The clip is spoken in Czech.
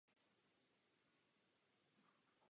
O rok později si kibuc pořídil první traktor.